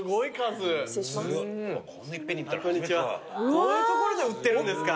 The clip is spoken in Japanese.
こういう所で売ってるんですか。